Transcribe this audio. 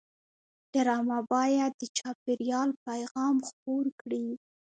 ډرامه باید د چاپېریال پیغام خپور کړي